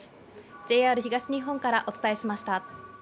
ＪＲ東日本からお伝えしました。